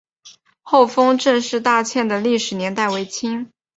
厚丰郑氏大厝的历史年代为清。